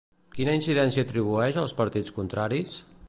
Quina incidència atribueix als partits contraris?